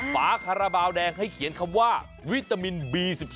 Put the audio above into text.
ฝาคาราบาลแดงให้เขียนคำว่าวิตามินบี๑๒